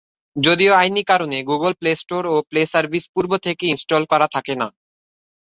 যদিও আইনি কারণে, গুগল প্লে স্টোর, ও প্লে সার্ভিস পূর্ব থেকে ইন্সটল করা থাকে না।